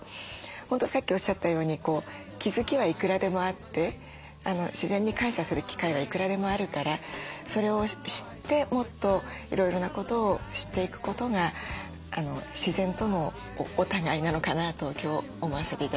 本当さっきおっしゃったように気付きはいくらでもあって自然に感謝する機会はいくらでもあるからそれを知ってもっといろいろなことを知っていくことが自然とのお互いなのかなと今日思わせて頂きました。